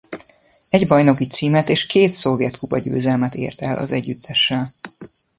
Egy bajnoki címet és két szovjet kupagyőzelmet ért el az együttessel.